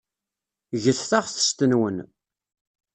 Get taɣtest-nwen.